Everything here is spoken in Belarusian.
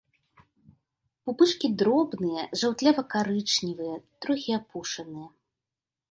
Пупышкі дробныя, жаўтлява-карычневыя, трохі апушаныя.